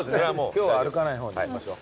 今日は歩かない方にしましょう。